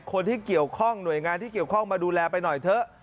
คนที่เกี่ยวข้องหน่วยงานที่เกี่ยวข้องมาดูแลไปหน่อยเถอะ